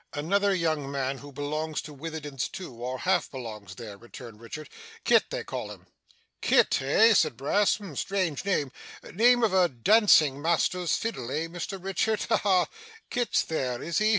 'Another young man, who belongs to Witherden's too, or half belongs there,' returned Richard. 'Kit, they call him.' 'Kit, eh!' said Brass. 'Strange name name of a dancing master's fiddle, eh, Mr Richard? Ha ha! Kit's there, is he?